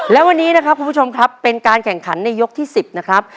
และวันนี้นะครับคุณผู้ชมครับเป็นการแข่งขันในยกที่๑๐นะครับ